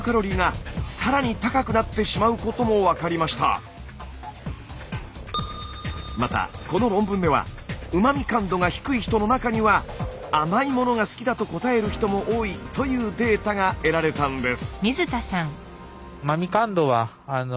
すると１年後そのうち１５人のまたこの論文ではうま味感度が低い人の中には甘いものが好きだと答える人も多いというデータが得られたんです。